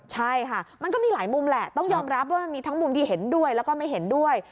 ใช่ค่ะมันก็มีหลายมุมแหละต้องยอมรับว่ามันมีทั้งมุมที่เห็นด้วยแล้วก็ไม่เห็นด้วย